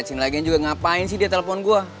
sini lagi juga ngapain sih dia telepon gue